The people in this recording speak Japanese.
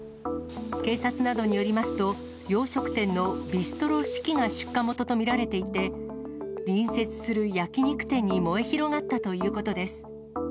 警察などによりますと、洋食店のビストロ四季が出火元と見られていて、隣接する焼き肉店に燃え広がったということです。